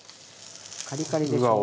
カリカリでしょ。